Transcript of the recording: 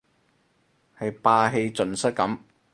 係霸氣盡失咁